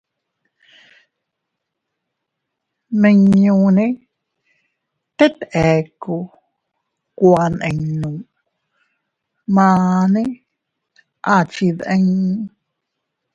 Nmiñunne tet ekku kuaninnu, manne a chindii.